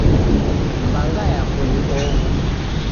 Mbanga yapo ni oho